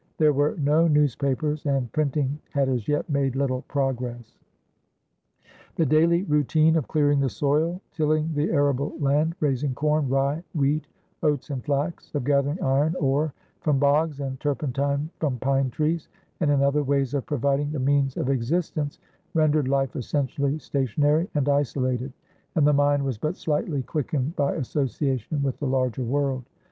There were no newspapers, and printing had as yet made little progress. The daily routine of clearing the soil, tilling the arable land, raising corn, rye, wheat, oats, and flax, of gathering iron ore from bogs and turpentine from pine trees, and in other ways of providing the means of existence, rendered life essentially stationary and isolated, and the mind was but slightly quickened by association with the larger world.